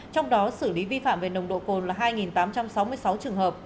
trong đó xử lý vi phạm về nồng độ cồn là hai tám trăm sáu mươi sáu trường hợp